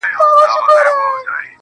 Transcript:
• اوس چي د مځكي كرې اور اخيستـــــى.